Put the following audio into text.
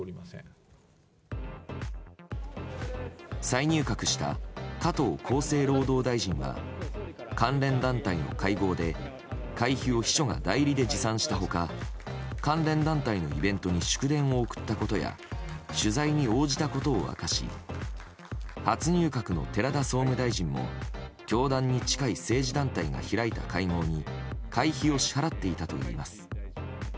再入閣した加藤厚生労働大臣は関連団体の会合で会費を秘書が代理で持参した他関連団体のイベントに祝電を送ったことや取材に応じたことを明かし初入閣の寺田総務大臣も教団に近い政治団体が開いた会合に会費を支払っていたといいます。